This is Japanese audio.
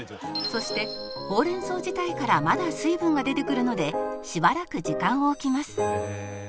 そしてほうれん草自体からまだ水分が出てくるのでしばらく時間を置きます